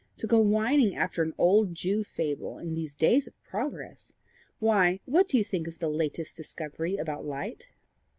To go whining after an old Jew fable in these days of progress! Why, what do you think is the last discovery about light?"